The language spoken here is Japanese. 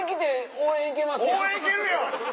応援行けるやん！